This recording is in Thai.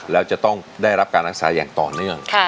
แล้วจะต้องได้รับการรักษาอย่างต่อเนื่อง